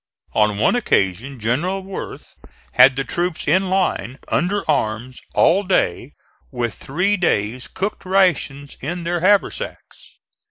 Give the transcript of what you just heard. On one occasion General Worth had the troops in line, under arms, all day, with three days' cooked rations in their haversacks.